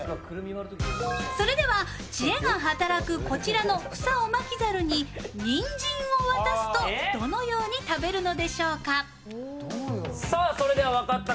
それでは知恵が働くこちらのフサオマキザルににんじんを渡すと、どのように食べるのでしょうか？